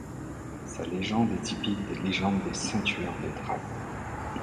Sa légende est typique des légendes de saints tueurs de dragon.